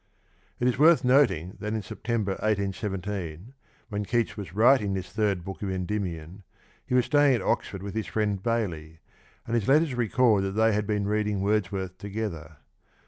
It is worth noting that in September, 1817, when Keats was writing this third I)ook of Emlyinion, he was stayini/ at O.xford with his friend Bailey, and hi.s letters record that they had been reading Wordsworth together.